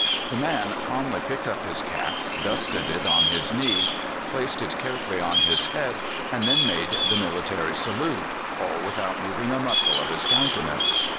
The man calmly picked up his cap, dusted it on his knee, placed it carefully on his head, and then made the military salute, all without moving a muscle of his countenance.